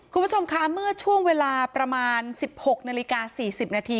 คุณผู้ชมคะเมื่อช่วงเวลาประมาณ๑๖นาฬิกา๔๐นาที